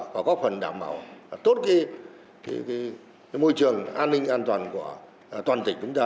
và góp phần đảm bảo tốt môi trường an ninh an toàn của toàn tỉnh chúng ta